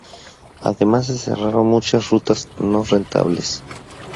Además se cerraron muchas rutas no rentables.